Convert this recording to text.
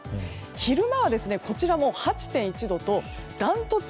昼間はこちらも８．１度とダントツ